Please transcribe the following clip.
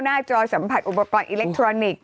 จอสัมผัสอุปกรณ์อิเล็กทรอนิกส์